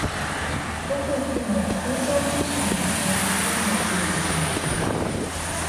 どこ行っても高層マンションの建設現場を見るなあ